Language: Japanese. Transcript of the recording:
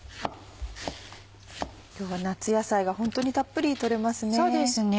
今日は夏野菜がホントにたっぷり取れますね。